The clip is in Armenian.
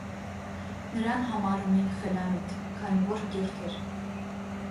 Նրան համարում էին «խելամիտ», քանի որ կիրթ էր։